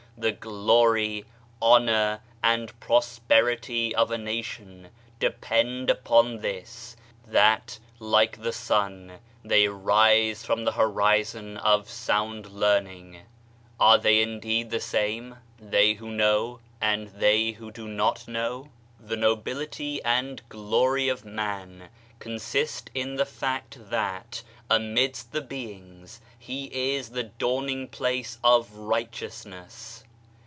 The glory, honor and prosperity of a nation depend upon this: that like the sun they rise from the horizon of sound learning. "Are they indeed die same — they who know, and they who do not know?" The nobility and glory of man consist in the fact that, amidst the beings, he is the dawning place of righteousness.